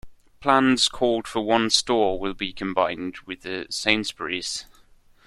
Plans called for one store will be combined with a Sainsbury's.